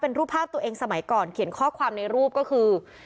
เป็นรูปภาพตัวเองสมัยก่อนเขียนข้อความในรูปก็คือ